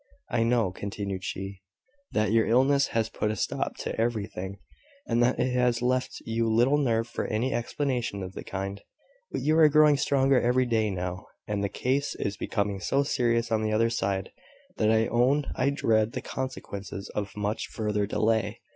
"I know," continued she, "that your illness has put a stop to everything; and that it has left you little nerve for any explanation of the kind: but you are growing stronger every day now, and the case is becoming so serious on the other side that I own I dread the consequences of much further delay.